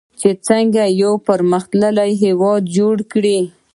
چې څنګه یو پرمختللی هیواد جوړ کړي.